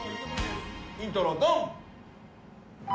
イントロドン！